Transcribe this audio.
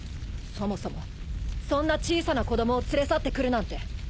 そもそもそんな小さな子供を連れ去ってくるなんて